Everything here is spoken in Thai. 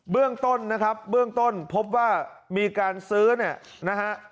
เรื่องต้นนะครับเบื้องต้นพบว่ามีการซื้อเนี่ยนะฮะ